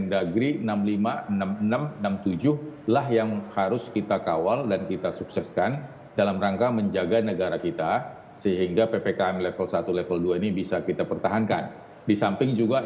kalau dia tidak vaksin maka sebaiknya di rumah saja